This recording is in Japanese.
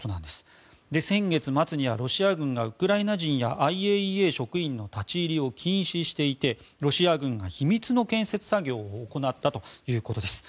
先月末にはロシア軍がウクライナ人やＩＡＥＡ職員の立ち入りを禁止していてロシア軍が秘密の建設作業を行ったということです。